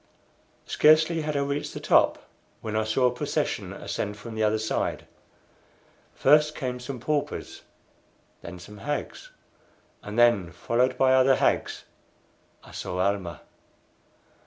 Scarcely had I reached the top when I saw a procession ascend from the other side. First came some paupers, then some hags, and then, followed by other hags, I saw Almah.